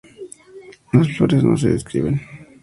Las flores no se describen.